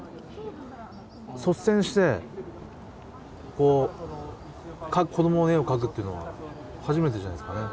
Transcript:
率先してこう描く子どもの絵を描くっていうのは初めてじゃないですかね。